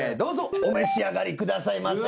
お召し上がりくださいませ。